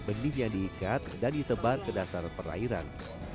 benih yang diikat dan ditebar ke dasar perairan